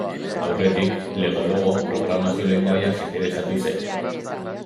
Aurretik, Lego Logo programazio-lengoaiaz interesatu zen.